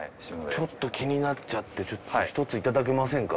ちょっと気になっちゃってちょっと一ついただけませんか？